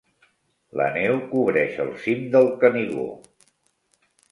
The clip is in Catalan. La neu cobreix el cim del Canigó.